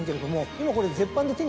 今これ。